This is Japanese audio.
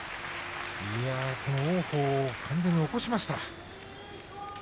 王鵬を完全に起こしました。